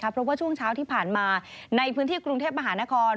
เพราะว่าช่วงเช้าที่ผ่านมาในพื้นที่กรุงเทพมหานคร